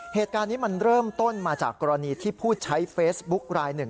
เหตุการณ์นี้มันเริ่มต้นมาจากกรณีที่ผู้ใช้เฟซบุ๊กรายหนึ่ง